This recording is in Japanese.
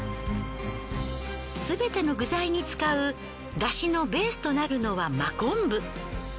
すべての具材に使う出汁のベースとなるのは真昆布。